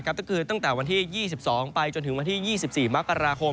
ก็คือตั้งแต่วันที่๒๒ไปจนถึงวันที่๒๔มกราคม